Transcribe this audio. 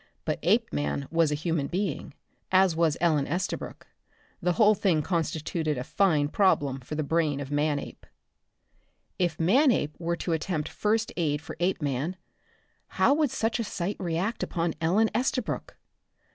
But Apeman was a human being, as was Ellen Estabrook. The whole thing constituted a fine problem for the brain of Manape. If Manape were to attempt first aid for Apeman, how would such a sight react upon Ellen Estabrook?